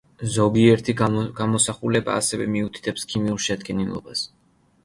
ზოგიერთი გამოსახულება ასევე მიუთითებს ქიმიურ შედგენილობას.